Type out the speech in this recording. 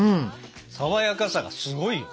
さわやかさがすごいよ。